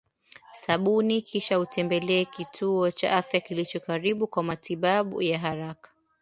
sabuni kisha utembelee kituo cha afya kilicho karibu kwa matibabu ya haraka